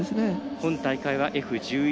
今大会はＦ１１